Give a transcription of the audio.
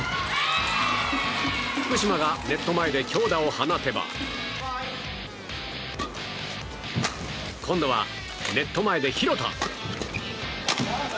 福島がネット前で強打を放てば今度はネット前で廣田！